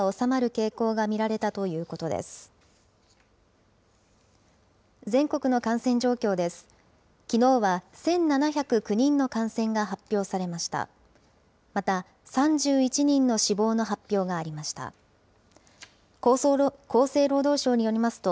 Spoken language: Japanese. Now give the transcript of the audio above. また、３１人の死亡の発表がありました。